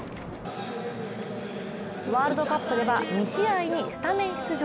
ワールドカップでは２試合のスタメン出場。